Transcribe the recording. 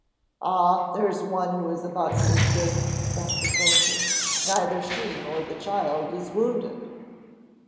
"Ah, there's one who is about to escape!" thought the soldier. "Neither she nor the child is wounded."